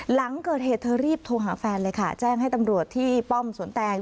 หลังเกิดเหตุเธอรีบโทรหาแฟนเลยค่ะแจ้งให้ตำรวจที่ป้อมสวนแตง